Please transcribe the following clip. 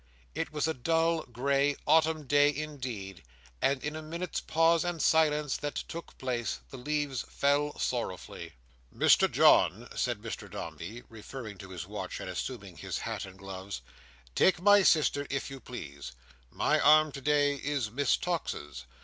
It was a dull, grey, autumn day indeed, and in a minute's pause and silence that took place, the leaves fell sorrowfully. "Mr John," said Mr Dombey, referring to his watch, and assuming his hat and gloves. "Take my sister, if you please: my arm today is Miss Tox's.